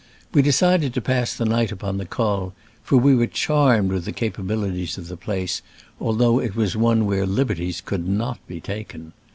We decided to pass the night upon the col, for we were charmed with the capabilities of the place, although it was one where liber ties could not be taken.